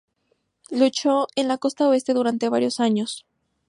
Luchó en la costa oeste durante varios años.